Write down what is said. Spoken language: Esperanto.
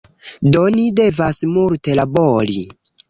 Do ni devas multe labori